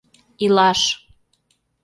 Илаш!